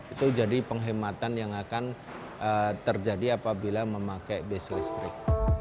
itu jadi penghematan yang akan terjadi apabila memakai bus listrik